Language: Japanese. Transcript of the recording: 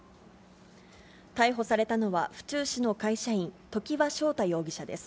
逮捕されたのは、府中市の会社員、常盤翔太容疑者です。